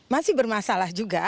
masih bermasalah juga